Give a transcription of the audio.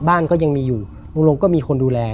บ้านก็ยังมีอยู่ลุงลงก็มีคนดูแล